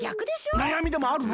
なやみでもあるの？